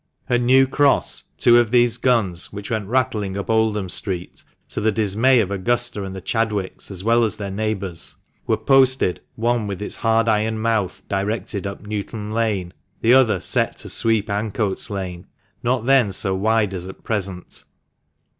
At New Cross two of these guns (which went rattling up Oldham Street, to the dismay of Augusta and the Chadwicks, as well as their neighbours) were posted, one with its hard iron mouth directed up Newton Lane, the other set to sweep Ancoats Lane, not then so wide as at present.